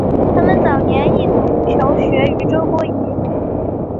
他们早年一同求学于周敦颐。